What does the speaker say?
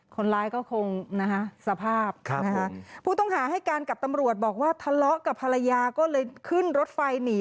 คนร้ายก็คงนะฮะสภาพผู้ต้องหาให้การกับตำรวจบอกว่าทะเลาะกับภรรยาก็เลยขึ้นรถไฟหนี